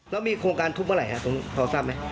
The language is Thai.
แล้วมีโครงการทุบเมื่อไหร่พอทราบไหม